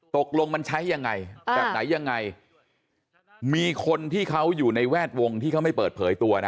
ตกลงมันใช้ยังไงแบบไหนยังไงมีคนที่เขาอยู่ในแวดวงที่เขาไม่เปิดเผยตัวนะ